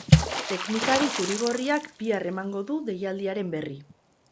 Teknikari zuri-gorriak bihar emango du deialdiaren berri.